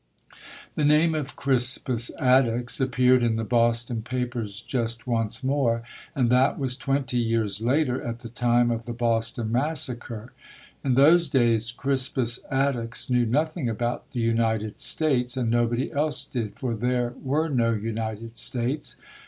The name of Crispus Attucks appeared in the Boston papers just once more, and that was [229 ] 230 ] UNSUNG HEROES twenty years later, at the time of the Boston Mas sacre. In those days Crispus Attucks knew noth ing about the United States, and nobody else did, for there were no United States.